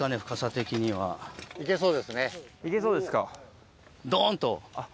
いけそうですか。